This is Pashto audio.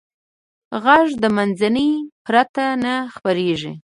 غږ د منځنۍ پرته نه خپرېږي.